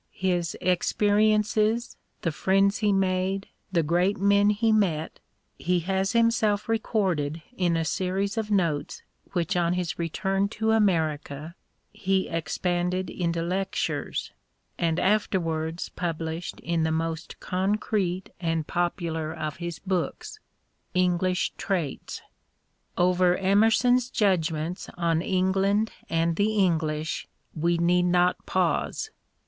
His experiences, the friends he made, the great men he met, he has himself recorded in a series of notes which on his return to America he expanded into lectures, and afterwards published in the most concrete and popular of his books —" English EMERSON 149 Traits." Over Emerson's judgments on England and the English we need not pause.